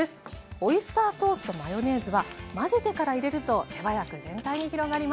オイスターソースとマヨネーズは混ぜてから入れると手早く全体に広がります。